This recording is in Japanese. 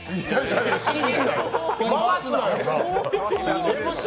回すなよ！